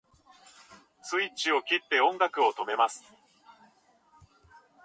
スイッチを切って音楽を止めます